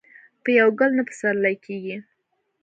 په يو ګل نه پسرلی کيږي.